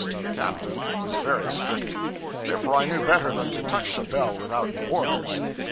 The captain was very strict; therefore I knew better than to touch a bell without orders.